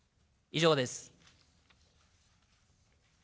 以上です。